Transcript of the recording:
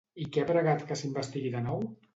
I què ha pregat s'investigui de nou?